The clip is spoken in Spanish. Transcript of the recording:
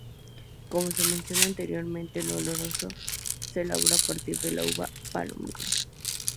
Como se menciona anteriormente, el "oloroso" se elabora a partir de la uva palomino.